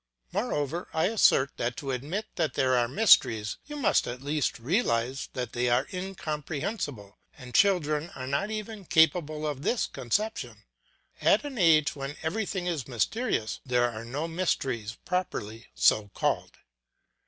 Moreover, I assert that to admit that there are mysteries, you must at least realise that they are incomprehensible, and children are not even capable of this conception! At an age when everything is mysterious, there are no mysteries properly so called.